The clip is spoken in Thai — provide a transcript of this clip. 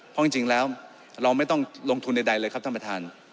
เพราะจริงแล้วเราไม่ต้องลงทุนใดเลยครับท่านประธาน